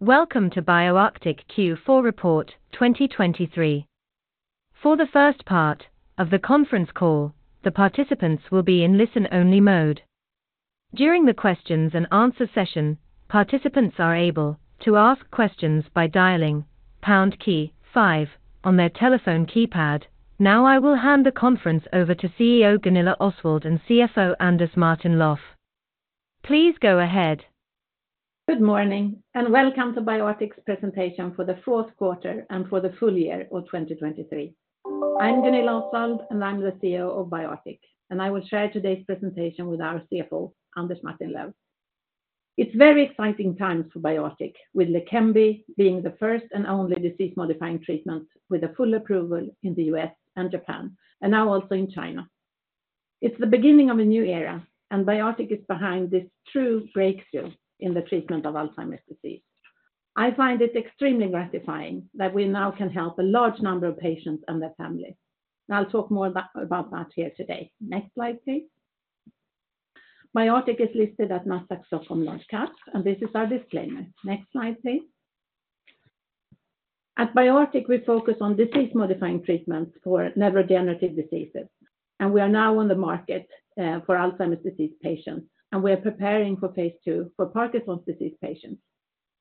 Welcome to BioArctic Q4 report 2023. For the first part of the conference call, the participants will be in listen-only mode. During the questions-and-answers session, participants are able to ask questions by dialing pound key 5 on their telephone keypad. Now I will hand the conference over to CEO Gunilla Osswald and CFO Anders Martin-Löf. Please go ahead. Good morning and welcome to BioArctic's presentation for the Q4 and for the full year of 2023. I'm Gunilla Osswald and I'm the CEO of BioArctic, and I will share today's presentation with our CFO, Anders Martin-Löf. It's very exciting times for BioArctic, with Leqembi being the first and only disease-modifying treatment with full approval in the U.S. and Japan, and now also in China. It's the beginning of a new era, and BioArctic is behind this true breakthrough in the treatment of Alzheimer's disease. I find it extremely gratifying that we now can help a large number of patients and their families. I'll talk more about that here today. Next slide, please. BioArctic is listed at Nasdaq Stockholm Large Cap, and this is our disclaimer. Next slide, please. At BioArctic, we focus on disease-modifying treatments for neurodegenerative diseases, and we are now on the market for Alzheimer's disease patients, and we are preparing for Phase 2 for Parkinson's disease patients.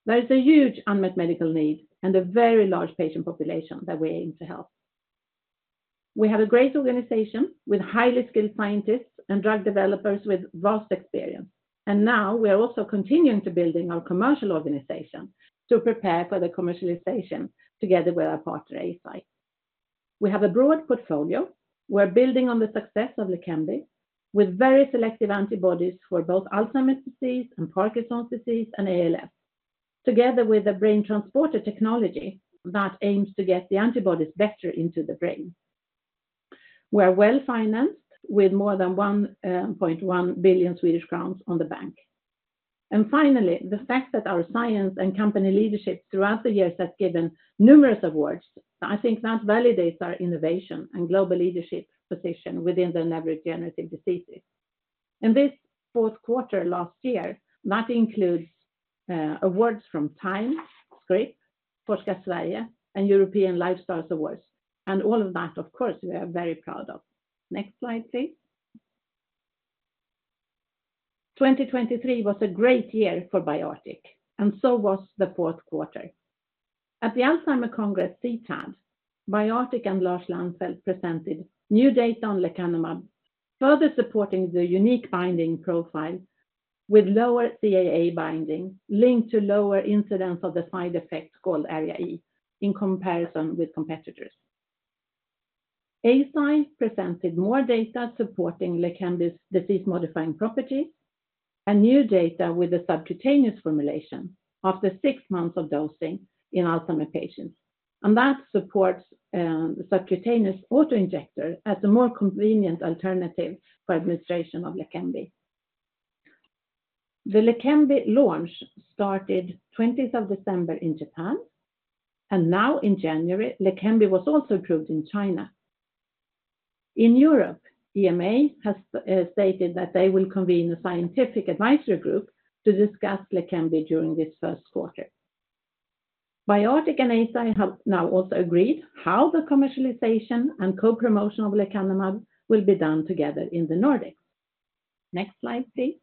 There is a huge unmet medical need and a very large patient population that we aim to help. We have a great organization with highly skilled scientists and drug developers with vast experience, and now we are also continuing to build our commercial organization to prepare for the commercialization together with our partner Eisai. We have a broad portfolio. We're building on the success of Leqembi with very selective antibodies for both Alzheimer's disease and Parkinson's disease and ALS, together with a BrainTransporter technology that aims to get the antibodies better into the brain. We are well-financed with more than 1.1 billion Swedish crowns in the bank. And finally, the fact that our science and company leadership throughout the years has given numerous awards, I think that validates our innovation and global leadership position within neurodegenerative diseases. In this Q4 last year, that includes awards from Time, Scrip, Forska Sverige, and European Lifestars Awards, and all of that, of course, we are very proud of. Next slide, please. 2023 was a great year for BioArctic, and so was the Q4. At the Alzheimer's Congress CTAD, BioArctic and Lars Lannfelt presented new data on lecanemab, further supporting the unique binding profile with lower CAA binding linked to lower incidence of the side effect called ARIA-E in comparison with competitors. Eisai presented more data supporting Leqembi's disease-modifying properties and new data with a subcutaneous formulation after six months of dosing in Alzheimer's patients, and that supports the subcutaneous auto-injector as a more convenient alternative for administration of Leqembi. The Leqembi launch started December 20 in Japan, and now in January, Leqembi was also approved in China. In Europe, EMA has stated that they will convene a scientific advisory group to discuss Leqembi during this Q1. BioArctic and Eisai have now also agreed how the commercialization and co-promotion of lecanemab will be done together in the Nordics. Next slide, please.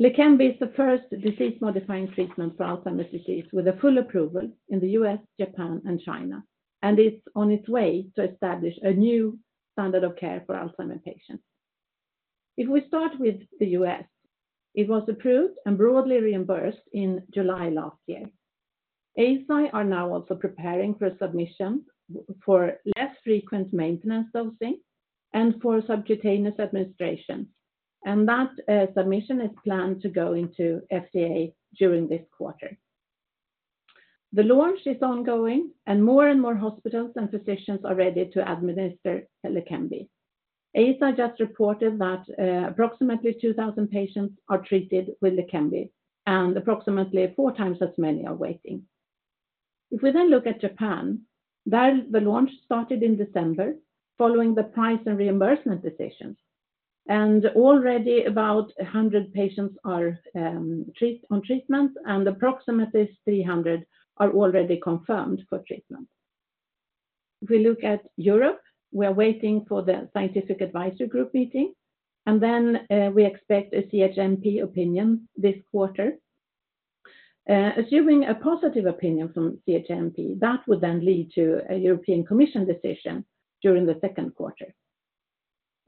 Leqembi is the first disease-modifying treatment for Alzheimer's disease with full approval in the U.S., Japan, and China, and it's on its way to establish a new standard of care for Alzheimer's patients. If we start with the U.S., it was approved and broadly reimbursed in July last year. Eisai is now also preparing for submission for less frequent maintenance dosing and for subcutaneous administration, and that submission is planned to go into FDA during this quarter. The launch is ongoing, and more and more hospitals and physicians are ready to administer Leqembi. Eisai just reported that approximately 2,000 patients are treated with Leqembi, and approximately four times as many are waiting. If we then look at Japan, there the launch started in December following the price and reimbursement decisions, and already about 100 patients are on treatment, and approximately 300 are already confirmed for treatment. If we look at Europe, we are waiting for the scientific advisory group meeting, and then we expect a CHMP opinion this quarter. Assuming a positive opinion from CHMP, that would then lead to a European Commission decision during the Q3.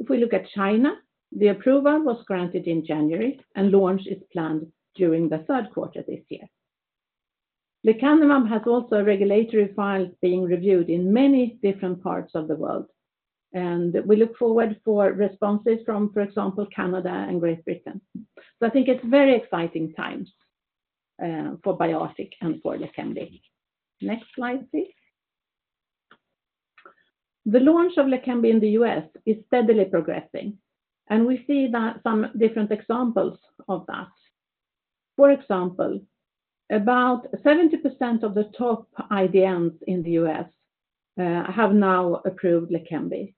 If we look at China, the approval was granted in January, and launch is planned during the Q3 this year. Lecanemab has also a regulatory file being reviewed in many different parts of the world, and we look forward to responses from, for example, Canada and Great Britain. I think it's very exciting times for BioArctic and for Leqembi. Next slide, please. The launch of Leqembi in the U.S. is steadily progressing, and we see some different examples of that. For example, about 70% of the top IDNs in the U.S. have now approved Leqembi,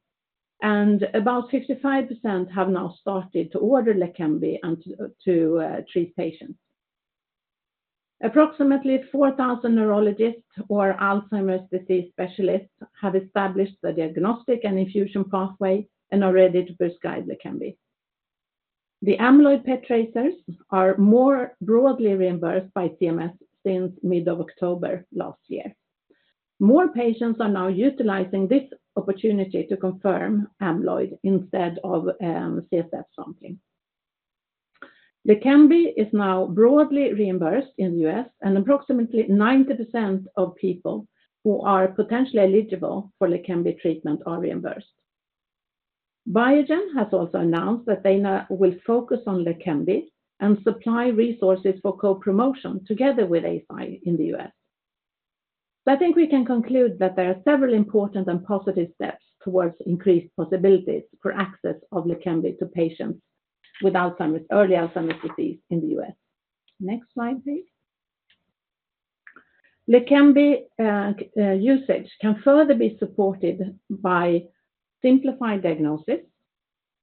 and about 55% have now started to order Leqembi to treat patients. Approximately 4,000 neurologists or Alzheimer's disease specialists have established the diagnostic and infusion pathway and are ready to prescribe Leqembi. The amyloid PET tracers are more broadly reimbursed by CMS since mid-October last year. More patients are now utilizing this opportunity to confirm amyloid instead of CSF sampling. Leqembi is now broadly reimbursed in the U.S., and approximately 90% of people who are potentially eligible for Leqembi treatment are reimbursed. Biogen has also announced that they will focus on Leqembi and supply resources for co-promotion together with Eisai in the U.S. So I think we can conclude that there are several important and positive steps towards increased possibilities for access of Leqembi to patients with early Alzheimer's disease in the U.S. Next slide, please. Leqembi usage can further be supported by simplified diagnosis,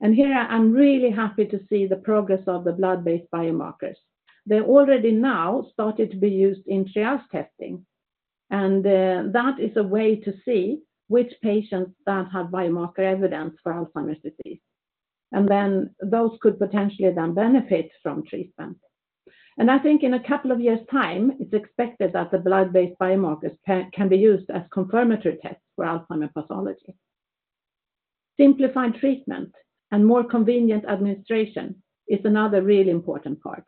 and here I'm really happy to see the progress of the blood-based biomarkers. They already now started to be used in triage testing, and that is a way to see which patients that have biomarker evidence for Alzheimer's disease, and then those could potentially then benefit from treatment. I think in a couple of years' time, it's expected that the blood-based biomarkers can be used as confirmatory tests for Alzheimer's pathology. Simplified treatment and more convenient administration is another really important part.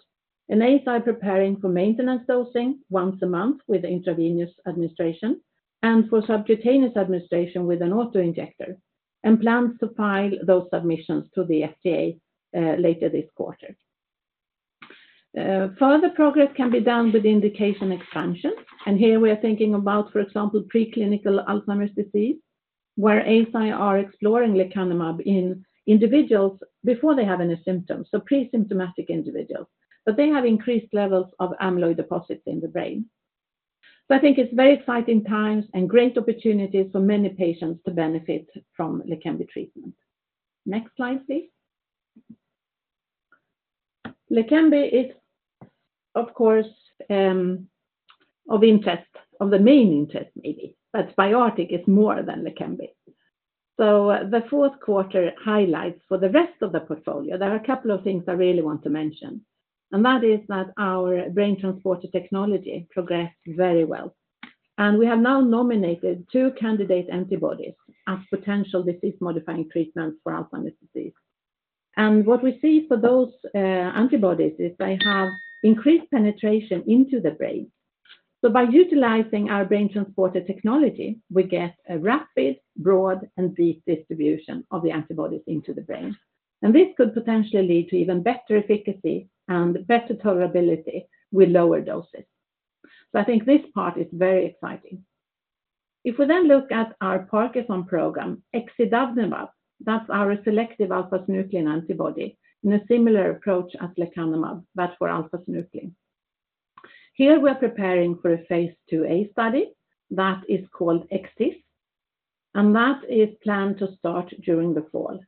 Eisai is preparing for maintenance dosing once a month with intravenous administration and for subcutaneous administration with an autoinjector, and plans to file those submissions to the FDA later this quarter. Further progress can be done with indication expansion, and here we are thinking about, for example, preclinical Alzheimer's disease, where Eisai is exploring lecanemab in individuals before they have any symptoms, so pre-symptomatic individuals, but they have increased levels of amyloid deposits in the brain. I think it's very exciting times and great opportunities for many patients to benefit from Leqembi treatment. Next slide, please. Leqembi is, of course, of interest, of the main interest, but BioArctic is more than Leqembi. So the Q4 highlights for the rest of the portfolio, there are a couple of things I really want to mention, and that is that our BrainTransporter technology progressed very well, and we have now nominated two candidate antibodies as potential disease-modifying treatments for Alzheimer's disease. And what we see for those antibodies is they have increased penetration into the brain. So by utilizing our BrainTransporter technology, we get a rapid, broad, and deep distribution of the antibodies into the brain, and this could potentially lead to even better efficacy and better tolerability with lower doses. So I think this part is very exciting. If we then look at our Parkinson's program, exidavnemab, that's our selective alpha-synuclein antibody in a similar approach as lecanemab, but for alpha-synuclein. Here we are preparing for a phase 2A study that is called ExCIS, and that is planned to start during the fall.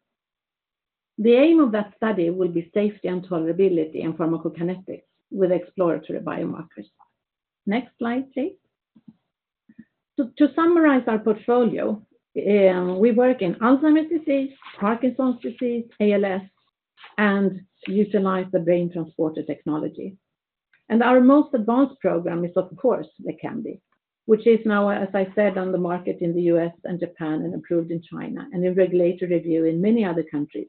The aim of that study will be safety and tolerability in pharmacokinetics with exploratory biomarkers. Next slide, please. To summarize our portfolio, we work in Alzheimer's disease, Parkinson's disease, ALS, and utilize the BrainTransporter technology. Our most advanced program is, of course, Leqembi, which is now, as I said, on the market in the U.S. and Japan and approved in China and in regulatory review in many other countries.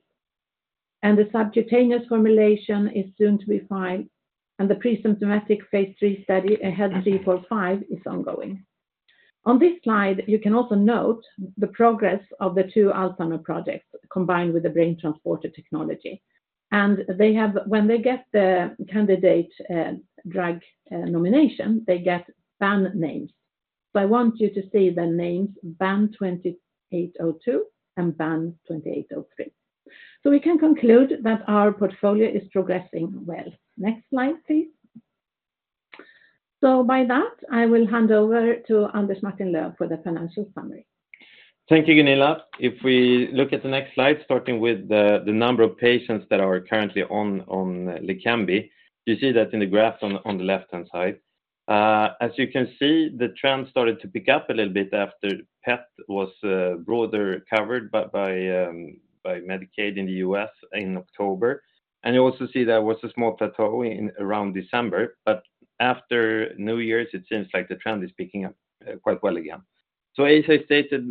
The subcutaneous formulation is soon to be filed, and the pre-symptomatic phase 3 study, AHEAD 3-45, is ongoing. On this slide, you can also note the progress of the two Alzheimer's projects combined with the BrainTransporter technology, and when they get the candidate drug nomination, they get BAN names. I want you to see the names BAN 2802 and BAN 2803. We can conclude that our portfolio is progressing well. Next slide, please. So by that, I will hand over to Anders Martin-Löf for the financial summary. Thank you, Gunilla. If we look at the next slide, starting with the number of patients that are currently on Leqembi, you see that in the graph on the left-hand side. As you can see, the trend started to pick up a little bit after PET was broader covered by Medicaid in the U.S. in October, and you also see there was a small plateau around December, but after New Year's, it seems like the trend is picking up quite well again. So Eisai stated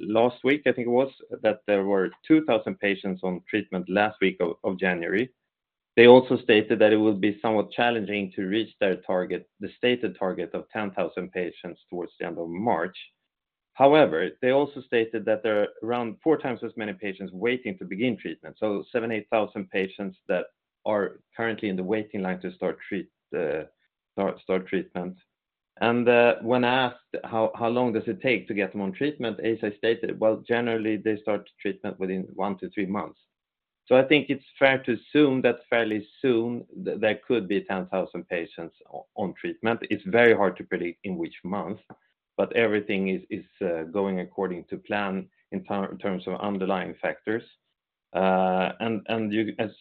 last week, it was, that there were 2,000 patients on treatment last week of January. They also stated that it would be somewhat challenging to reach their target, the stated target of 10,000 patients towards the end of March. However, they also stated that there are around four times as many patients waiting to begin treatment, so 7,000-8,000 patients that are currently in the waiting line to start treatment. When asked how long does it take to get them on treatment, Eisai stated, well, generally, they start treatment within 1-3 months. I think it's fair to assume that fairly soon there could be 10,000 patients on treatment. It's very hard to predict in which month, but everything is going according to plan in terms of underlying factors. As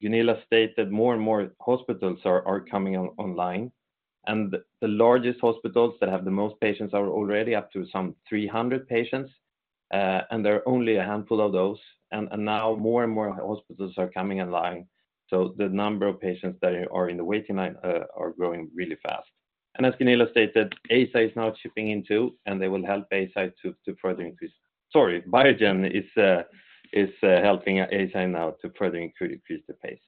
Gunilla stated, more and more hospitals are coming online, and the largest hospitals that have the most patients are already up to some 300 patients, and there are only a handful of those, and now more and more hospitals are coming online, so the number of patients that are in the waiting line are growing really fast. As Gunilla stated, Eisai is now chipping in too, and they will help Eisai to further increase sorry, Biogen is helping Eisai now to further increase the pace.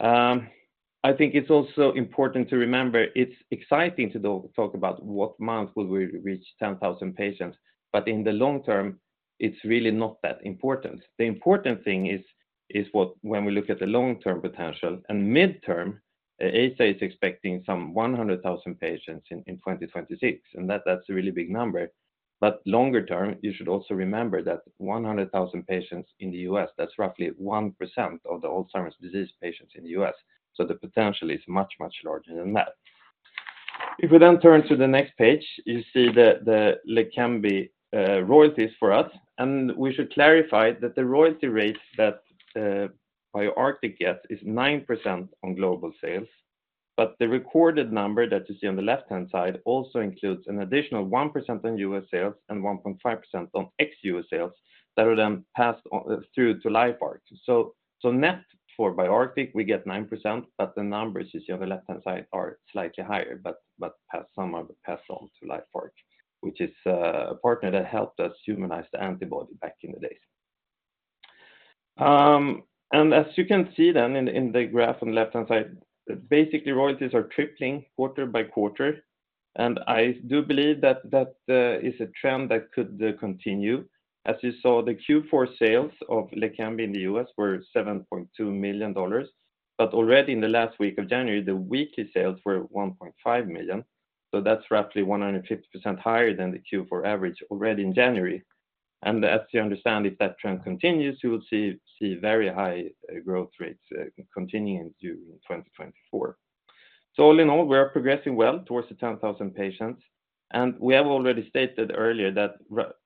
I think it's also important to remember it's exciting to talk about what month will we reach 10,000 patients, but in the long term, it's really not that important. The important thing is when we look at the long-term potential, and mid-term, IQVIA is expecting some 100,000 patients in 2026, and that's a really big number, but longer term, you should also remember that 100,000 patients in the U.S., that's roughly 1% of the Alzheimer's disease patients in the U.S., so the potential is much, much larger than that. If we then turn to the next page, you see the Leqembi royalties for us, and we should clarify that the royalty rate that BioArctic gets is 9% on global sales, but the recorded number that you see on the left-hand side also includes an additional 1% on U.S. sales and 1.5% on ex-U.S. sales that are then passed through to LifeArc. So net for BioArctic, we get 9%, but the numbers you see on the left-hand side are slightly higher, but pass on to LifeArc, which is a partner that helped us humanize the antibody back in the days. And as you can see then in the graph on the left-hand side, basically, royalties are tripling quarter by quarter, and I do believe that is a trend that could continue. As you saw, the Q4 sales of Leqembi in the U.S. were $7.2 million, but already in the last week of January, the weekly sales were $1.5 million, so that's roughly 150% higher than the Q4 average already in January. And as you understand, if that trend continues, you will see very high growth rates continuing in 2024. So all in all, we are progressing well towards the 10,000 patients, and we have already stated earlier that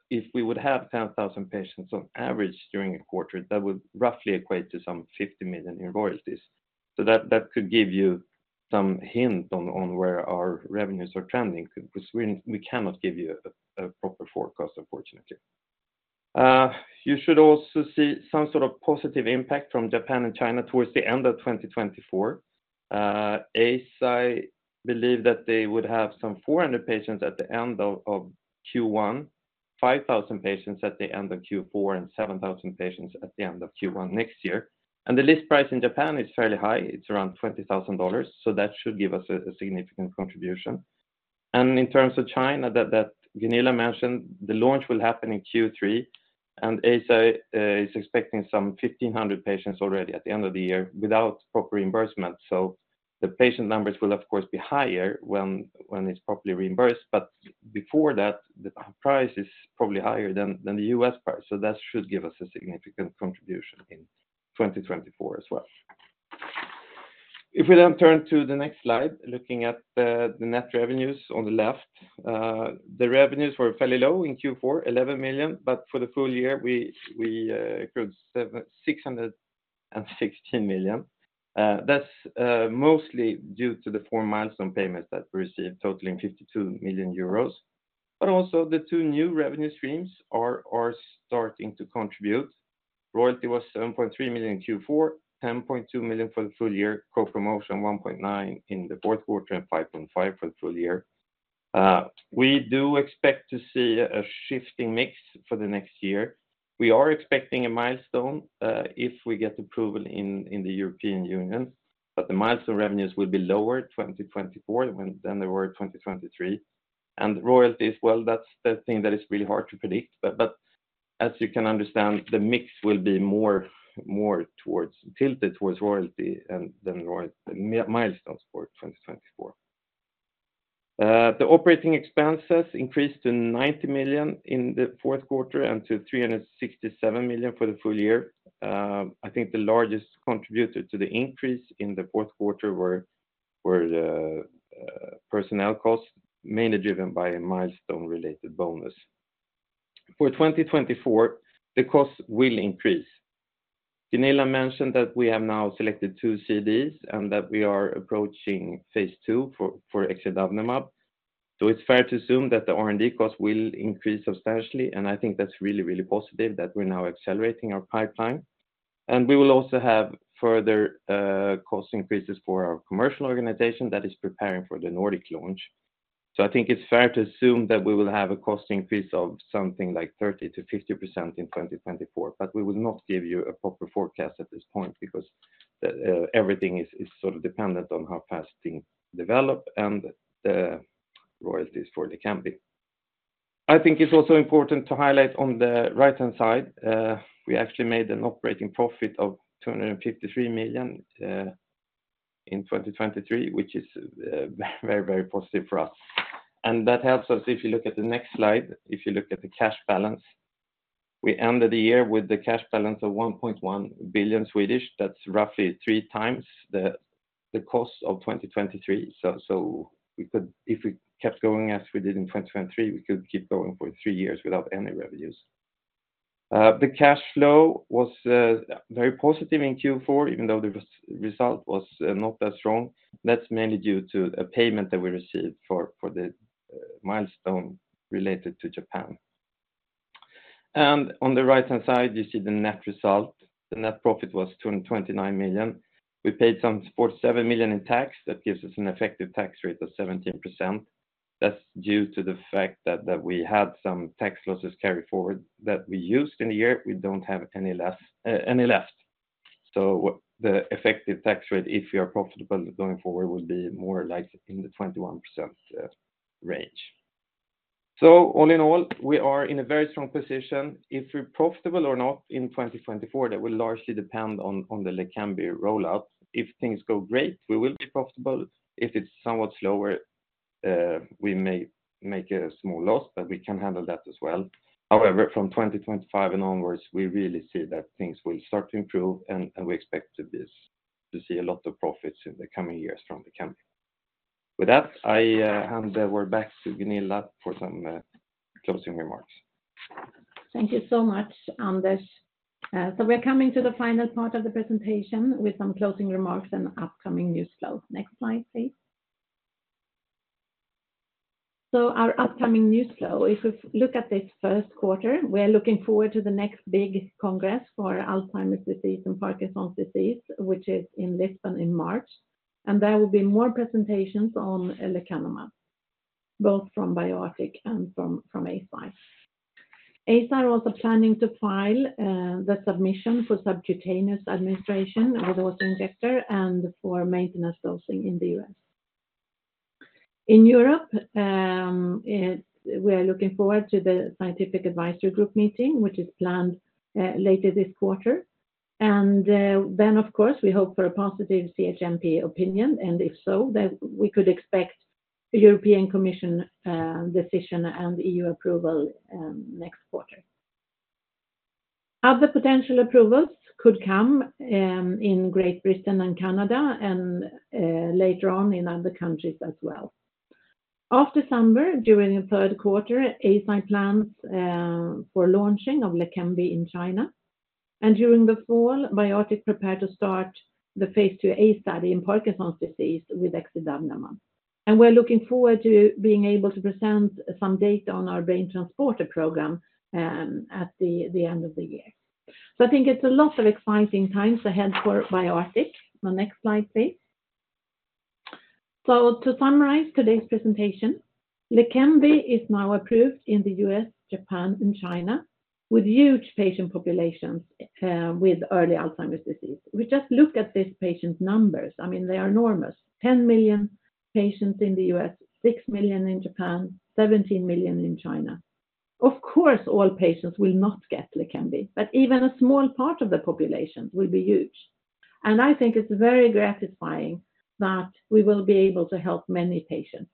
if we would have 10,000 patients on average during a quarter, that would roughly equate to some 50 million in royalties, so that could give you some hint on where our revenues are trending, because we cannot give you a proper forecast, unfortunately. You should also see some sort of positive impact from Japan and China towards the end of 2024. Eisai believed that they would have some 400 patients at the end of Q1, 5,000 patients at the end of Q4, and 7,000 patients at the end of Q1 next year. And the list price in Japan is fairly high. It's around $20,000, so that should give us a significant contribution. In terms of China that Gunilla mentioned, the launch will happen in Q3, and ACYTE is expecting some 1,500 patients already at the end of the year without proper reimbursement, so the patient numbers will, of course, be higher when it's properly reimbursed, but before that, the price is probably higher than the US price, so that should give us a significant contribution in 2024 as well. If we then turn to the next slide, looking at the net revenues on the left, the revenues were fairly low in Q4, SEK $11 million, but for the full year, we accrued SEK $616 million. That's mostly due to the four milestone payments that we received, totaling 52 million euros, but also the two new revenue streams are starting to contribute. Royalty was 7.3 million in Q4, 10.2 million for the full year, co-promotion 1.9 million in the Q4, and 5.5 million for the full year. We do expect to see a shifting mix for the next year. We are expecting a milestone if we get approval in the European Union, but the milestone revenues will be lower in 2024 than they were in 2023. And royalties, well, that's the thing that is really hard to predict, but as you can understand, the mix will be more tilted towards royalty than milestones for 2024. The operating expenses increased to 90 million in the Q4 and to 367 million for the full year. I think the largest contributor to the increase in the Q4 were personnel costs, mainly driven by a milestone-related bonus. For 2024, the costs will increase. Gunilla mentioned that we have now selected two CDs and that we are approaching phase two for excidobnemab, so it's fair to assume that the R&D costs will increase substantially, and I think that's really, really positive that we're now accelerating our pipeline. We will also have further cost increases for our commercial organization that is preparing for the Nordic launch. I think it's fair to assume that we will have a cost increase of something like 30%-50% in 2024, but we will not give you a proper forecast at this point because everything is sort of dependent on how fast things develop and the royalties for Leqembi. I think it's also important to highlight on the right-hand side, we actually made an operating profit of 253 million in 2023, which is very, very positive for us. That helps us if you look at the next slide, if you look at the cash balance. We ended the year with the cash balance of 1.1 billion. That's roughly three times the cost of 2023, so if we kept going as we did in 2023, we could keep going for three years without any revenues. The cash flow was very positive in Q4, even though the result was not that strong. That's mainly due to a payment that we received for the milestone related to Japan. And on the right-hand side, you see the net result. The net profit was 229 million. We paid some 47 million in tax. That gives us an effective tax rate of 17%. That's due to the fact that we had some tax losses carried forward that we used in the year. We don't have any left, so the effective tax rate, if we are profitable going forward, will be more like in the 21% range. So all in all, we are in a very strong position. If we're profitable or not in 2024, that will largely depend on the Leqembi rollout. If things go great, we will be profitable. If it's somewhat slower, we may make a small loss, but we can handle that as well. However, from 2025 and onwards, we really see that things will start to improve, and we expect to see a lot of profits in the coming years from Leqembi. With that, I hand over back to Gunilla for some closing remarks. Thank you so much, Anders. So we're coming to the final part of the presentation with some closing remarks and upcoming news flow. Next slide, please. So our upcoming news flow, if we look at this Q1, we are looking forward to the next big congress for Alzheimer's disease and Parkinson's disease, which is in Lisbon in March, and there will be more presentations on Leqembi, both from BioArctic and from Eisai. Eisai is also planning to file the submission for subcutaneous administration with the autoinjector and for maintenance dosing in the U.S. In Europe, we are looking forward to the Scientific Advisory Group meeting, which is planned later this quarter, and then, of course, we hope for a positive CHMP opinion, and if so, then we could expect a European Commission decision and EU approval next quarter. Other potential approvals could come in Great Britain and Canada and later on in other countries as well. After summer, during the third quarter, Eisai plans for launching of Leqembi in China, and during the fall, BioArctic prepares to start the phase 2A study in Parkinson's disease with excidobnemab, and we're looking forward to being able to present some data on our BrainTransporter program at the end of the year. So I think it's a lot of exciting times ahead for BioArctic. My next slide, please. So to summarize today's presentation, Leqembi is now approved in the U.S., Japan, and China with huge patient populations with early Alzheimer's disease. If we just look at these patient numbers, I mean, they are enormous: 10 million patients in the U.S., 6 million in Japan, 17 million in China. Of course, all patients will not get Leqembi, but even a small part of the population will be huge, and I think it's very gratifying that we will be able to help many patients.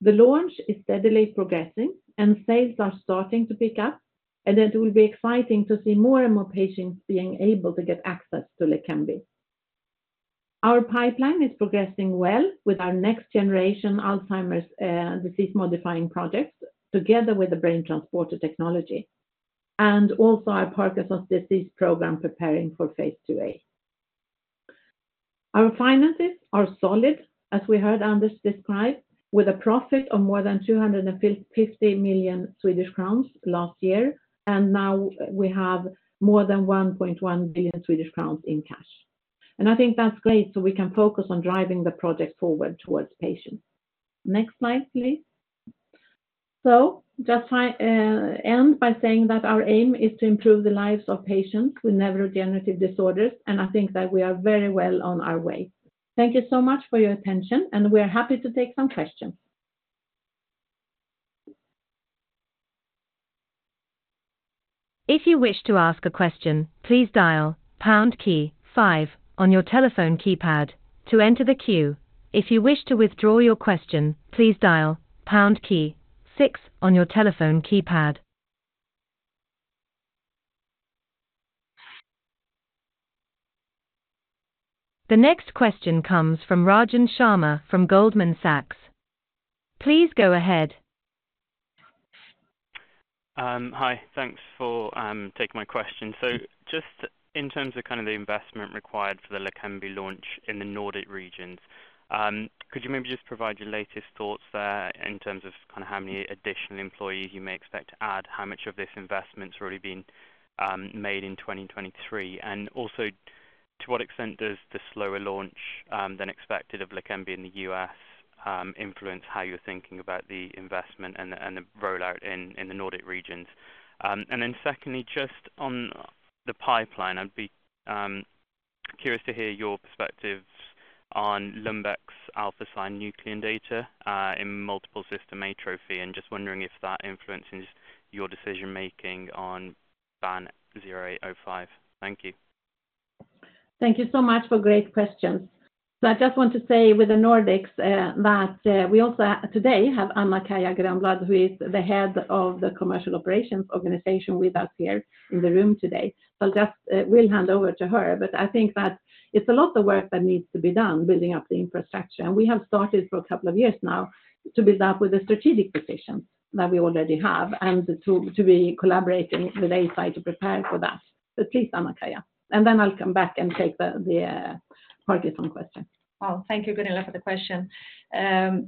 The launch is steadily progressing, and sales are starting to pick up, and it will be exciting to see more and more patients being able to get access to Leqembi. Our pipeline is progressing well with our next-generation Alzheimer's disease-modifying projects together with the BrainTransporter technology and also our Parkinson's disease program preparing for phase 2A. Our finances are solid, as we heard Anders describe, with a profit of more than 250 million Swedish crowns last year, and now we have more than 1.1 billion Swedish crowns in cash, and I think that's great so we can focus on driving the project forward towards patients. Next slide, please. Just end by saying that our aim is to improve the lives of patients with neurodegenerative disorders, and I think that we are very well on our way. Thank you so much for your attention, and we are happy to take some questions. If you wish to ask a question, please dial £5 key on your telephone keypad to enter the queue. If you wish to withdraw your question, please dial £6 key on your telephone keypad. The next question comes from Rajan Sharma from Goldman Sachs. Please go ahead. Hi, thanks for taking my question. So just in terms of kind of the investment required for the Leqembi launch in the Nordic regions, could you maybe just provide your latest thoughts there in terms of kind of how many additional employees you may expect to add, how much of this investment's already been made in 2023, and also to what extent does the slower launch than expected of Leqembi in the U.S. influence how you're thinking about the investment and the rollout in the Nordic regions? And then secondly, just on the pipeline, I'd be curious to hear your perspectives on Lundbeck's alpha-synuclein data in multiple system atrophy and just wondering if that influences your decision-making on BAN 0805. Thank you. Thank you so much for great questions. I just want to say with the Nordics that we also today have Anna-Kaija Grönblad, who is the head of the commercial operations organization with us here in the room today, so we'll hand over to her, but I think that it's a lot of work that needs to be done building up the infrastructure, and we have started for a couple of years now to build up with the strategic decisions that we already have and to be collaborating with Eisai to prepare for that. Please, Anna-Kaija, and then I'll come back and take the Parkinson question. Well, thank you, Gunilla, for the question.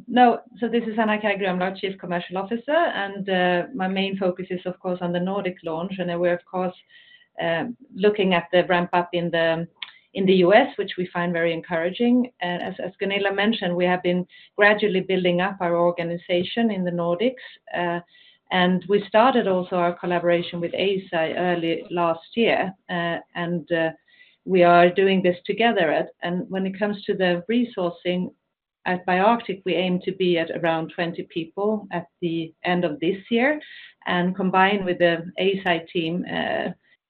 No, so this is Anna-Kaija Grönblad, Chief Commercial Officer, and my main focus is, of course, on the Nordic launch, and we're, of course, looking at the ramp-up in the U.S., which we find very encouraging. As Gunilla mentioned, we have been gradually building up our organization in the Nordics, and we started also our collaboration with Eisai early last year, and we are doing this together. And when it comes to the resourcing at BioArctic, we aim to be at around 20 people at the end of this year, and combined with the Eisai team,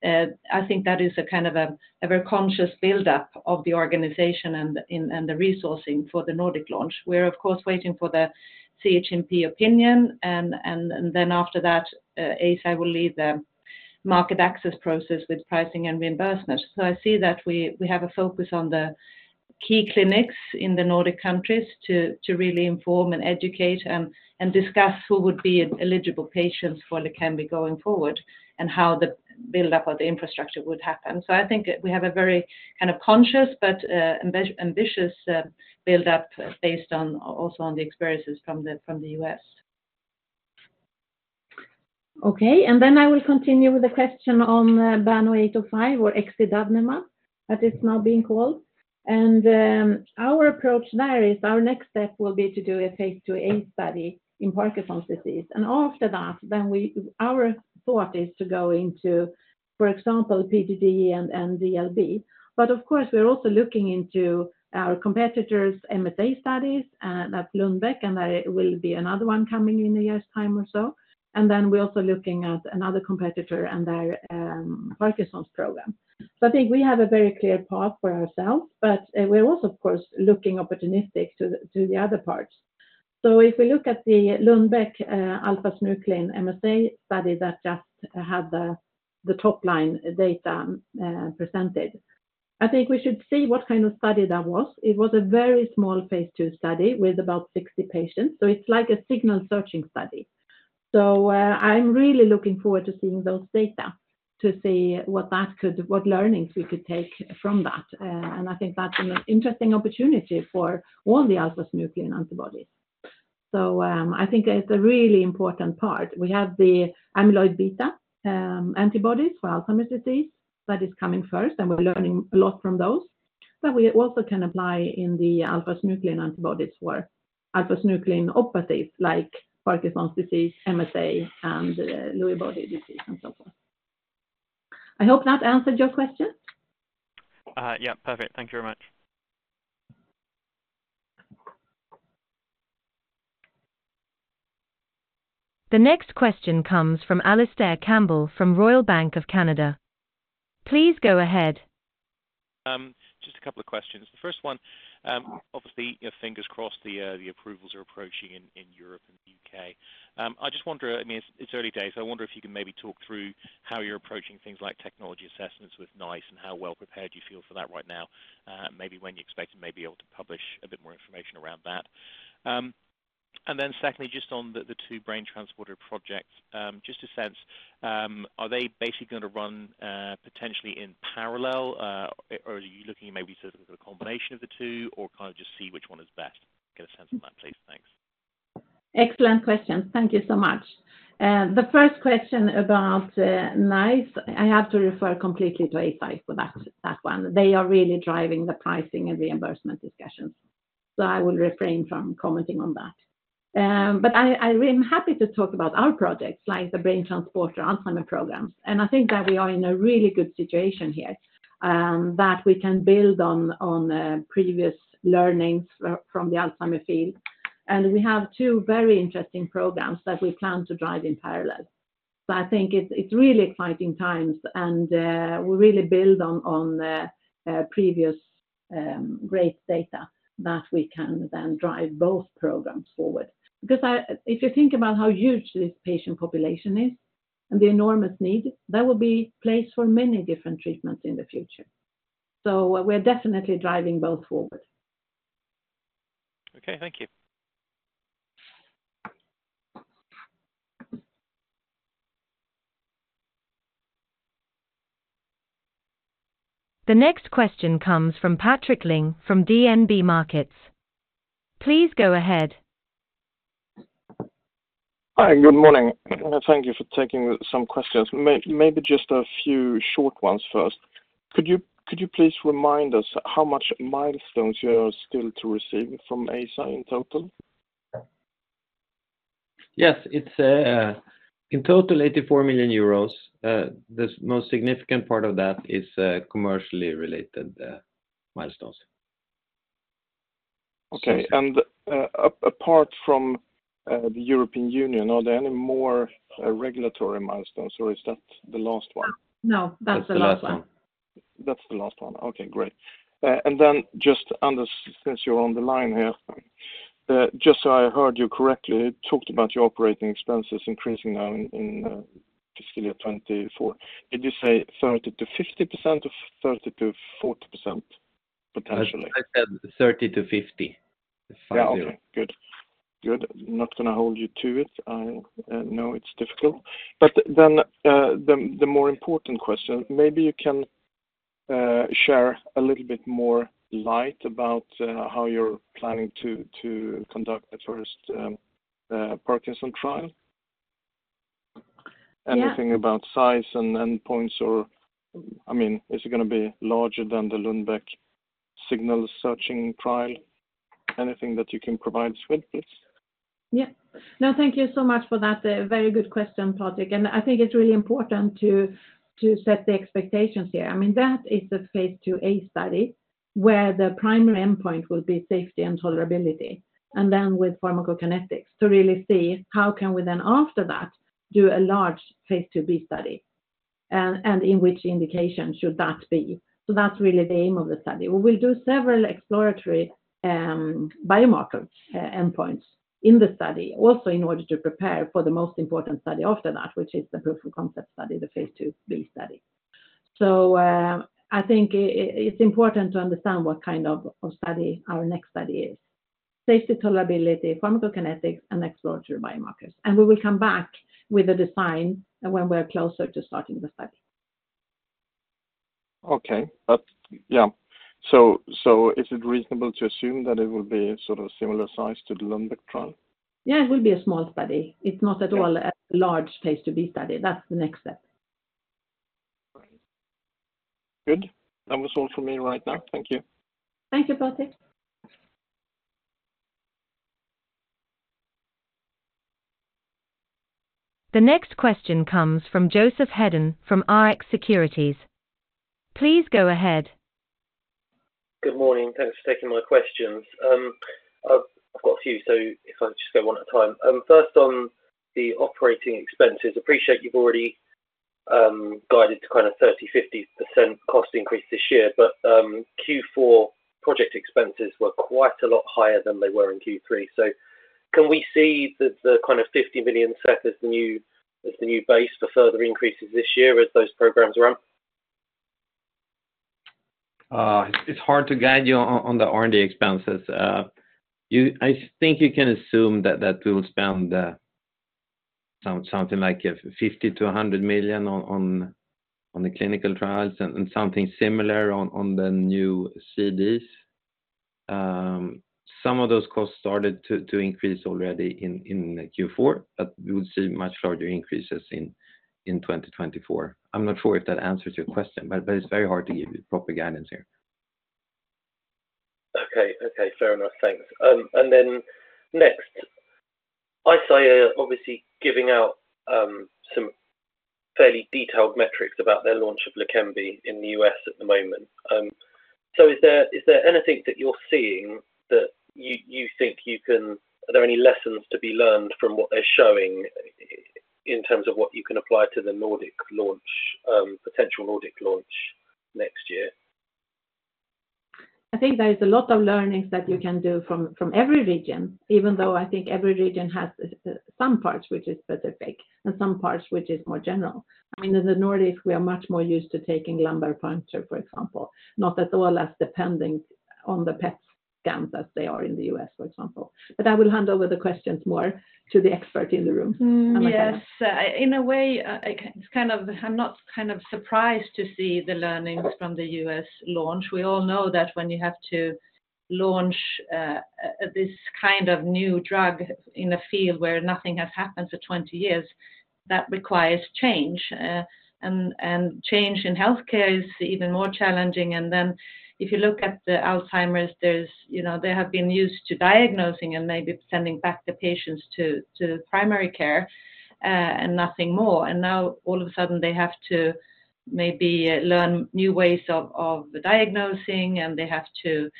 I think that is a kind of a very conscious build-up of the organization and the resourcing for the Nordic launch. We're, of course, waiting for the CHMP opinion, and then after that, Eisai will lead the market access process with pricing and reimbursement. So I see that we have a focus on the key clinics in the Nordic countries to really inform and educate and discuss who would be eligible patients for Leqembi going forward and how the build-up of the infrastructure would happen. So I think we have a very kind of conscious but ambitious build-up based also on the experiences from the U.S. Okay, and then I will continue with a question on BAN0805 or excidobnemab, as it's now being called, and our approach there is our next step will be to do a phase 2A study in Parkinson's disease, and after that, then our thought is to go into, for example, PDD and DLB, but of course, we're also looking into our competitor's MSA studies, that's Lundbeck, and there will be another one coming in a year's time or so, and then we're also looking at another competitor and their Parkinson's program. So I think we have a very clear path for ourselves, but we're also, of course, looking opportunistic to the other parts. So if we look at the Lundbeck alpha-synuclein MSA study that just had the top-line data presented, I think we should see what kind of study that was. It was a very small phase 2 study with about 60 patients, so it's like a signal-searching study. So I'm really looking forward to seeing those data to see what learnings we could take from that, and I think that's an interesting opportunity for all the alpha-synuclein antibodies. So I think it's a really important part. We have the amyloid beta antibodies for Alzheimer's disease that is coming first, and we're learning a lot from those, but we also can apply in the alpha-synuclein antibodies for alpha-synucleinopathies like Parkinson's disease, MSA, and Lewy body disease, and so forth. I hope that answered your question. Yeah, perfect. Thank you very much. The next question comes from Alistair Campbell from Royal Bank of Canada. Please go ahead. Just a couple of questions. The first one, obviously, fingers crossed the approvals are approaching in Europe and the U.K. I just wonder, I mean, it's early days, so I wonder if you can maybe talk through how you're approaching things like technology assessments with NICE and how well prepared you feel for that right now, maybe when you expect to maybe be able to publish a bit more information around that. And then secondly, just on the two brain transporter projects, just a sense, are they basically going to run potentially in parallel, or are you looking maybe to look at a combination of the two or kind of just see which one is best? Get a sense of that, please. Thanks. Excellent questions. Thank you so much. The first question about NICE, I have to refer completely to Eisai for that one. They are really driving the pricing and reimbursement discussions, so I will refrain from commenting on that. But I am happy to talk about our projects like the brain transporter Alzheimer's programs, and I think that we are in a really good situation here, that we can build on previous learnings from the Alzheimer's field, and we have two very interesting programs that we plan to drive in parallel. So I think it's really exciting times, and we really build on previous great data that we can then drive both programs forward. Because if you think about how huge this patient population is and the enormous need, there will be place for many different treatments in the future. So we're definitely driving both forward. Okay, thank you. The next question comes from Patrick Ling from DNB Markets. Please go ahead. Hi, good morning. Thank you for taking some questions. Maybe just a few short ones first. Could you please remind us how much milestones you are still to receive from Eisai in total? Yes, in total, 84 million euros. The most significant part of that is commercially related milestones. Okay, and apart from the European Union, are there any more regulatory milestones, or is that the last one? No, that's the last one. That's the last one. Okay, great. And then just, Anders, since you're on the line here, just so I heard you correctly, you talked about your operating expenses increasing now in fiscal year 2024. Did you say 30%-50% or 30%-40% potentially? I said 30 to 50. Yeah, okay, good. Good. Not going to hold you to it. I know it's difficult. But then the more important question, maybe you can share a little bit more light about how you're planning to conduct the first Parkinson trial? Anything about size and points, or I mean, is it going to be larger than the Lundbeck signal-seeking trial? Anything that you can provide us with, please? Yeah. No, thank you so much for that. Very good question, Patrick, and I think it's really important to set the expectations here. I mean, that is a phase 2A study where the primary endpoint will be safety and tolerability, and then with pharmacokinetics to really see how can we then, after that, do a large phase 2B study and in which indication should that be. So that's really the aim of the study. We will do several exploratory biomarker endpoints in the study, also in order to prepare for the most important study after that, which is the proof of concept study, the phase 2B study. So I think it's important to understand what kind of study our next study is: safety, tolerability, pharmacokinetics, and exploratory biomarkers. And we will come back with a design when we're closer to starting the study. Okay. Yeah, so is it reasonable to assume that it will be sort of similar size to the Lunbech trial? Yeah, it will be a small study. It's not at all a large phase 2B study. That's the next step. Great. Good. That was all from me right now. Thank you. Thank you, Patrick. The next question comes from Joseph Hedden from RX Securities. Please go ahead. Good morning. Thanks for taking my questions. I've got a few, so if I just go one at a time. First, on the operating expenses, I appreciate you've already guided to kind of 30%-50% cost increase this year, but Q4 project expenses were quite a lot higher than they were in Q3. So can we see the kind of 50 million set as the new base for further increases this year as those programs ramp? It's hard to guide you on the R&D expenses. I think you can assume that we will spend something like 50-100 million on the clinical trials and something similar on the new CDs. Some of those costs started to increase already in Q4, but we would see much larger increases in 2024. I'm not sure if that answers your question, but it's very hard to give you proper guidance here. Okay, okay, fair enough. Thanks. And then next, Eisai are obviously giving out some fairly detailed metrics about their launch of Leqembi in the U.S. at the moment. So is there anything that you're seeing that you think are there any lessons to be learned from what they're showing in terms of what you can apply to the Nordic launch, potential Nordic launch next year? I think there's a lot of learnings that you can do from every region, even though I think every region has some parts which is specific and some parts which is more general. I mean, in the Nordics, we are much more used to taking lumbar puncture, for example, not at all as depending on the PET scans as they are in the U.S., for example. But I will hand over the questions more to the expert in the room, Anna-Kaija. Yes. In a way, it's kind of, I'm not kind of surprised to see the learnings from the U.S. launch. We all know that when you have to launch this kind of new drug in a field where nothing has happened for 20 years, that requires change, and change in healthcare is even more challenging. And then if you look at the Alzheimer's, they have been used to diagnosing and maybe sending back the patients to primary care and nothing more. And now, all of a sudden, they have to maybe learn new ways of diagnosing, and they have to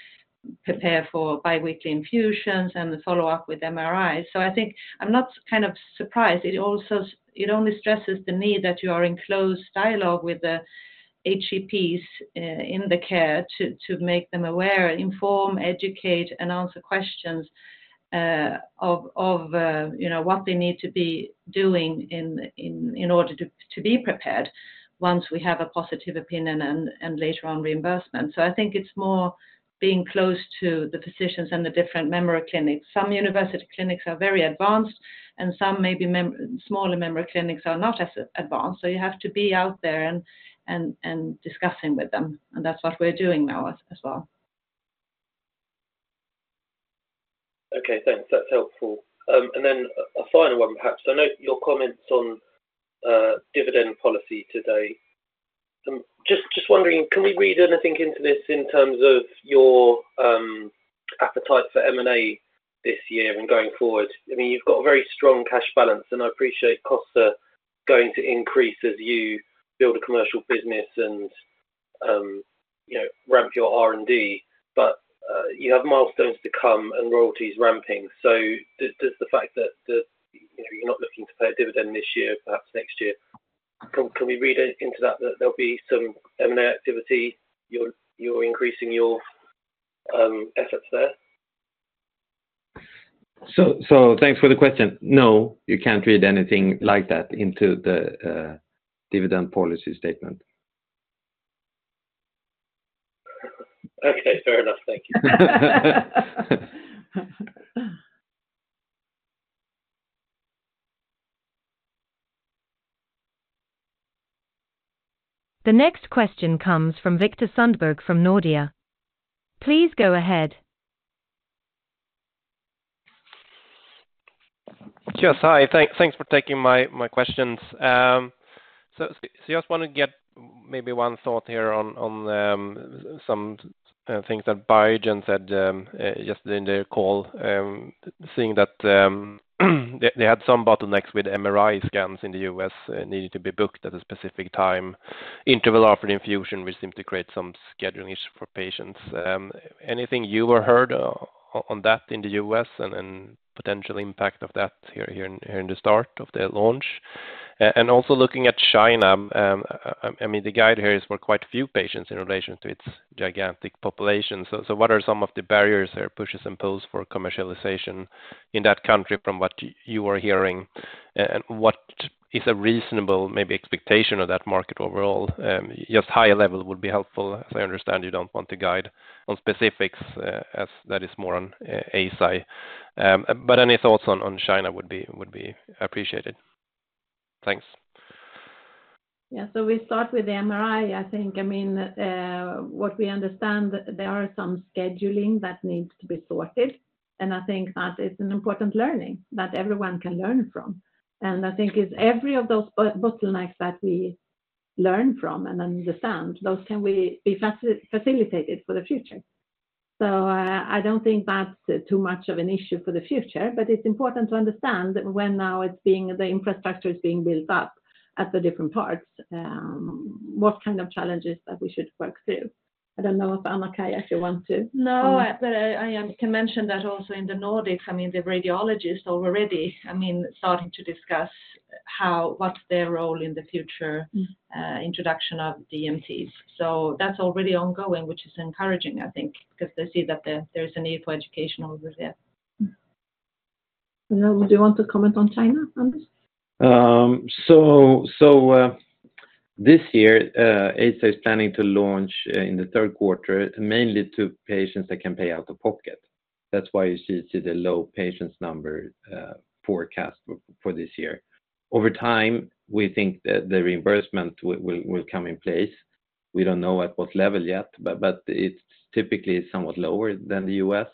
prepare for biweekly infusions and follow up with MRIs. So I think I'm not kind of surprised. It only stresses the need that you are in close dialogue with the HCPs in the care to make them aware, inform, educate, and answer questions of what they need to be doing in order to be prepared once we have a positive opinion and later on reimbursement. I think it's more being close to the physicians and the different memory clinics. Some university clinics are very advanced, and some maybe smaller memory clinics are not as advanced. You have to be out there and discussing with them, and that's what we're doing now as well. Okay, thanks. That's helpful. And then a final one, perhaps. I know your comments on dividend policy today. Just wondering, can we read anything into this in terms of your appetite for M&A this year and going forward? I mean, you've got a very strong cash balance, and I appreciate costs are going to increase as you build a commercial business and ramp your R&D, but you have milestones to come and royalties ramping. So does the fact that you're not looking to pay a dividend this year, perhaps next year can we read into that that there'll be some M&A activity? You're increasing your efforts there? Thanks for the question. No, you can't read anything like that into the dividend policy statement. Okay, fair enough. Thank you. The next question comes from Victor Sundberg from Nordea. Please go ahead. Yes, hi. Thanks for taking my questions. So I just want to get maybe one thought here on some things that Biogen said just in their call, seeing that they had some bottlenecks with MRI scans in the U.S. needing to be booked at a specific time, interval offered infusion, which seemed to create some scheduling issues for patients. Anything you were heard on that in the U.S. and potential impact of that here in the start of the launch? And also looking at China, I mean, the guide here is for quite few patients in relation to its gigantic population. So what are some of the barriers here, pushes and poses for commercialization in that country from what you are hearing, and what is a reasonable maybe expectation of that market overall? Just higher level would be helpful. As I understand, you don't want to guide on specifics as that is more on ACYTE. But any thoughts on China would be appreciated. Thanks. Yeah, so we start with the MRI, I think. I mean, what we understand, there are some scheduling that needs to be sorted, and I think that it's an important learning that everyone can learn from. I think it's every of those bottlenecks that we learn from and understand, those can be facilitated for the future. I don't think that's too much of an issue for the future, but it's important to understand when now the infrastructure is being built up at the different parts, what kind of challenges that we should work through. I don't know if, Anna-Kaija, if you want to. No, but I can mention that also in the Nordics, I mean, the radiologists already, I mean, starting to discuss what's their role in the future introduction of DMTs. So that's already ongoing, which is encouraging, I think, because they see that there is a need for education over there. And now, would you want to comment on China, Anders? So this year, Leqembi is planning to launch in the third quarter, mainly to patients that can pay out of pocket. That's why you see the low patients number forecast for this year. Over time, we think that the reimbursement will come in place. We don't know at what level yet, but it's typically somewhat lower than the U.S.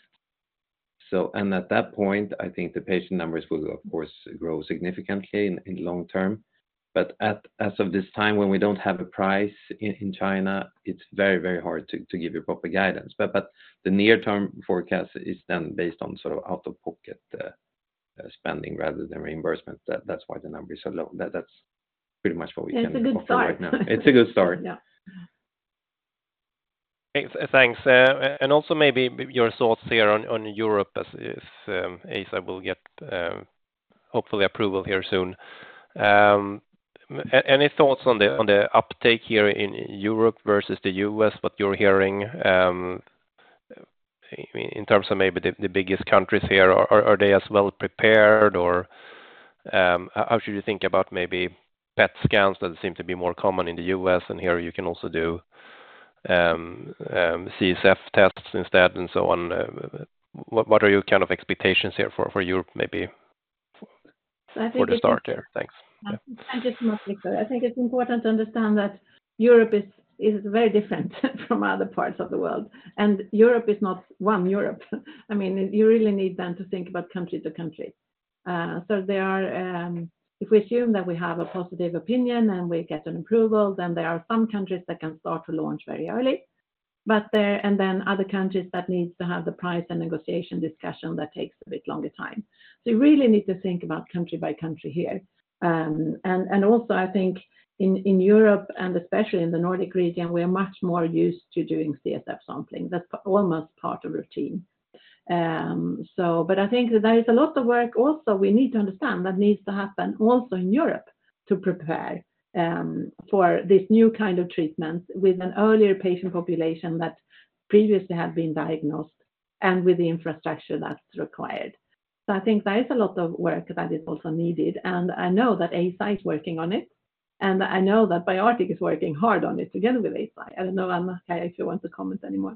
And at that point, I think the patient numbers will, of course, grow significantly in the long term. But as of this time, when we don't have a price in China, it's very, very hard to give you proper guidance. But the near-term forecast is then based on sort of out-of-pocket spending rather than reimbursement. That's why the numbers are low. That's pretty much what we can offer right now. It's a good start. It's a good start. Thanks. And also maybe your thoughts here on Europe if Eisai will get hopefully approval here soon. Any thoughts on the uptake here in Europe versus the U.S., what you're hearing in terms of maybe the biggest countries here? Are they as well prepared, or how should you think about maybe PET scans that seem to be more common in the U.S., and here you can also do CSF tests instead and so on? What are your kind of expectations here for Europe, maybe, for the start here? Thanks. Thank you so much, Victor. I think it's important to understand that Europe is very different from other parts of the world. And Europe is not one Europe. I mean, you really need then to think about country to country. So if we assume that we have a positive opinion and we get an approval, then there are some countries that can start to launch very early, and then other countries that need to have the price and negotiation discussion that takes a bit longer time. So you really need to think about country by country here. And also, I think in Europe, and especially in the Nordic region, we are much more used to doing CSF sampling. That's almost part of routine. But I think that there is a lot of work also. We need to understand that needs to happen also in Europe to prepare for this new kind of treatment with an earlier patient population that previously had been diagnosed and with the infrastructure that's required. So I think there is a lot of work that is also needed. And I know that Eisai is working on it, and I know that BioArctic is working hard on it together with Eisai. I don't know, Anna-Kaija, if you want to comment anymore.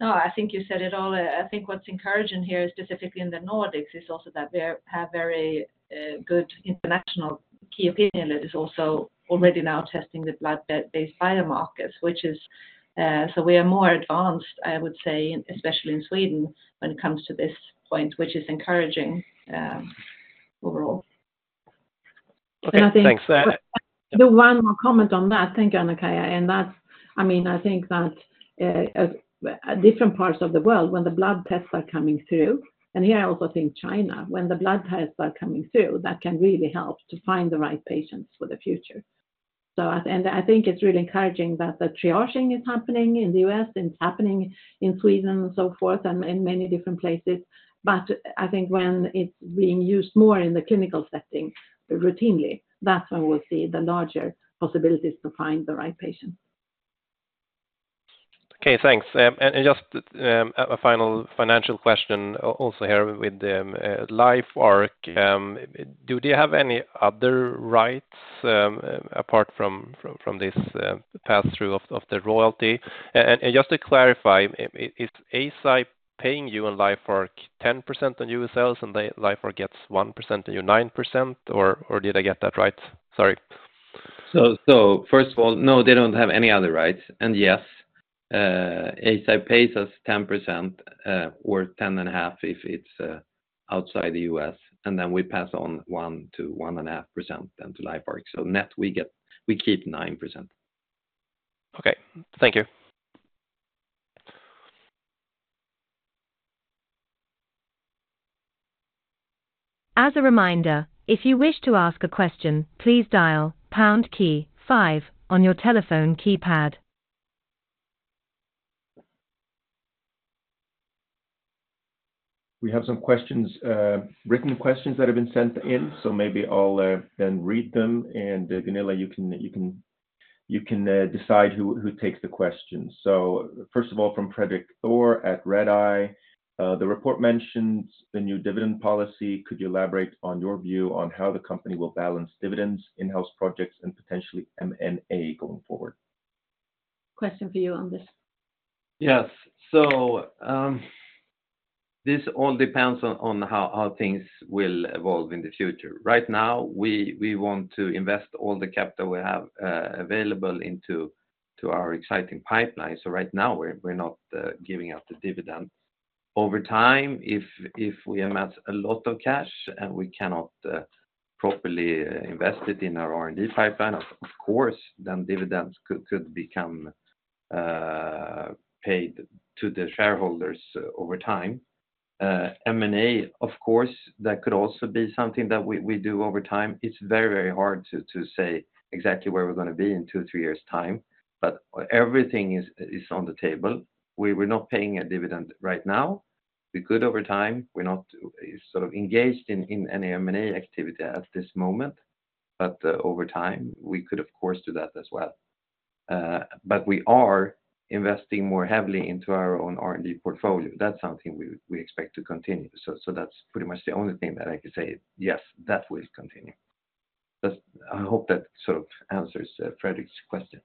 No, I think you said it all. I think what's encouraging here, specifically in the Nordics, is also that we have very good international key opinion leaders also already now testing the blood-based biomarkers, which is so we are more advanced, I would say, especially in Sweden when it comes to this point, which is encouraging overall. Okay, thanks. One more comment on that, thank you, Anna-Kaija. I mean, I think that different parts of the world, when the blood tests are coming through and here, I also think China, when the blood tests are coming through, that can really help to find the right patients for the future. I think it's really encouraging that the triaging is happening in the U.S. It's happening in Sweden and so forth and in many different places. But I think when it's being used more in the clinical setting routinely, that's when we'll see the larger possibilities to find the right patients. Okay, thanks. Just a final financial question also here with LifeArc. Do they have any other rights apart from this pass-through of the royalty? Just to clarify, is Eisai paying you and LifeArc 10% on your sales, and LifeArc gets 1% and you 9%, or did I get that right? Sorry. So first of all, no, they don't have any other rights. And yes, ACYTE pays us 10% or 10.5% if it's outside the U.S., and then we pass on 1%-1.5% then to LifeArc. So net, we keep 9%. Okay, thank you. As a reminder, if you wish to ask a question, please dial pound key 5 on your telephone keypad. We have some written questions that have been sent in, so maybe I'll then read them. And Gunilla, you can decide who takes the questions. So first of all, from Fredrik Thor at RedEye, the report mentions the new dividend policy. Could you elaborate on your view on how the company will balance dividends, in-house projects, and potentially M&A going forward? Question for you, Anders? Yes. So this all depends on how things will evolve in the future. Right now, we want to invest all the capital we have available into our exciting pipeline. So right now, we're not giving out the dividends. Over time, if we amass a lot of cash and we cannot properly invest it in our R&D pipeline, of course, then dividends could become paid to the shareholders over time. M&A, of course, that could also be something that we do over time. It's very, very hard to say exactly where we're going to be in two, three years' time, but everything is on the table. We're not paying a dividend right now. We could over time. We're not sort of engaged in any M&A activity at this moment. But over time, we could, of course, do that as well. But we are investing more heavily into our own R&D portfolio. That's something we expect to continue. So that's pretty much the only thing that I can say. Yes, that will continue. I hope that sort of answers Frederick's question.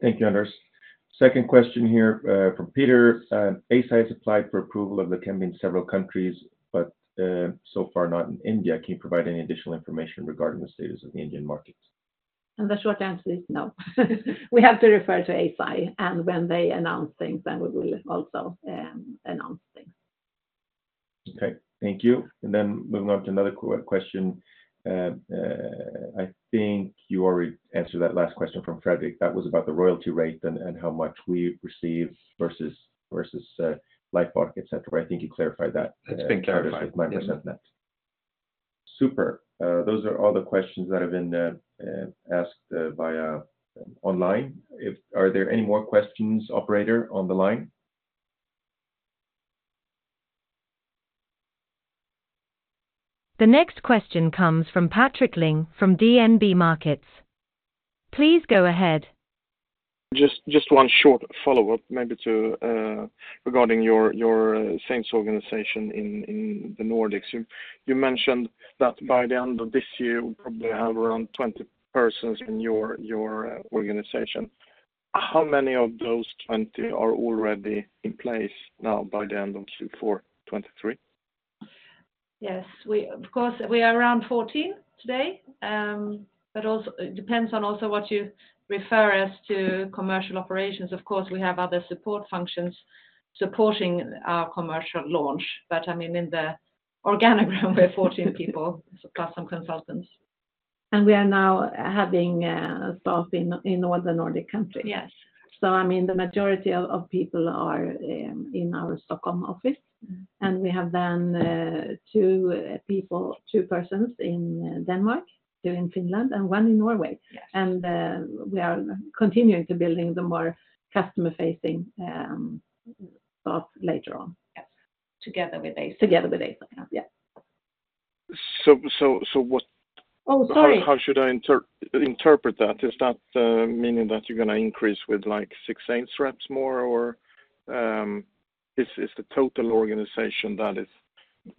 Thank you, Anders. Second question here from Peter. Eisai has applied for approval of Leqembi in several countries, but so far not in India. Can you provide any additional information regarding the status of the Indian market? The short answer is no. We have to refer to Eisai. When they announce things, then we will also announce things. Okay, thank you. And then moving on to another question. I think you already answered that last question from Frederick. That was about the royalty rate and how much we receive versus LifeArc, etc. I think you clarified that. It's been clarified. 5% net. Super. Those are all the questions that have been asked online. Are there any more questions, operator, on the line? The next question comes from Patrick Ling from DNB Markets. Please go ahead. Just one short follow-up maybe regarding your sales organization in the Nordics. You mentioned that by the end of this year, we'll probably have around 20 persons in your organization. How many of those 20 are already in place now by the end of Q4 2023? Yes. Of course, we are around 14 today. But it depends on also what you refer as to commercial operations. Of course, we have other support functions supporting our commercial launch. But I mean, in the organogram, we're 14 people, plus some consultants. We are now having staff in all the Nordic countries. So I mean, the majority of people are in our Stockholm office. We have then 2 persons in Denmark, 2 in Finland, and 1 in Norway. We are continuing to build the more customer-facing staff later on. Yes. Together with ACYTE. Together with ACYTE. Yeah. So how should I interpret that? Is that meaning that you're going to increase with like 6 sales reps more, or is the total organization that is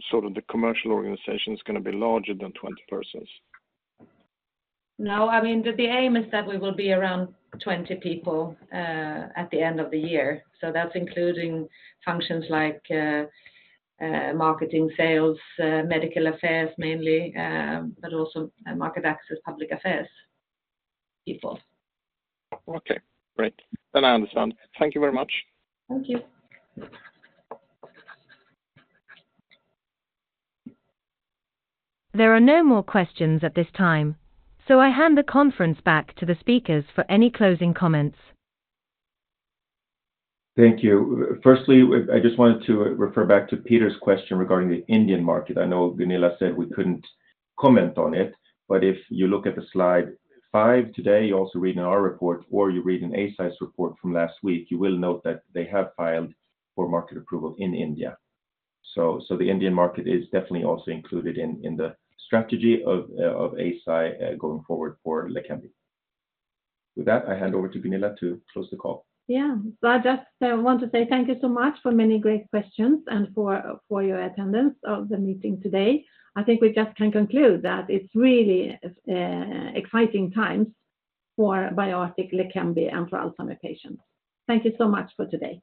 sort of the commercial organization going to be larger than 20 persons? No. I mean, the aim is that we will be around 20 people at the end of the year. So that's including functions like marketing, sales, medical affairs mainly, but also market access, public affairs people. Okay, great. Then I understand. Thank you very much. Thank you. There are no more questions at this time, so I hand the conference back to the speakers for any closing comments. Thank you. Firstly, I just wanted to refer back to Peter's question regarding the Indian market. I know Gunilla said we couldn't comment on it, but if you look at the slide 5 today, you also read in our report, or you read in Eisai's report from last week, you will note that they have filed for market approval in India. So the Indian market is definitely also included in the strategy of Eisai going forward for Leqembi. With that, I hand over to Gunilla to close the call. Yeah. I just want to say thank you so much for many great questions and for your attendance of the meeting today. I think we just can conclude that it's really exciting times for BioArctic, Leqembi, and for Alzheimer's patients. Thank you so much for today.